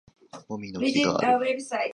もみの木がある